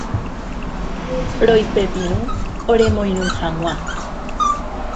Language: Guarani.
Roipepirũ oremoirũ hag̃ua.